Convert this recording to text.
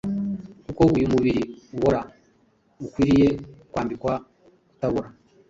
kuko uyu mubiri ubora ukwiriye kwambikwa kutabora,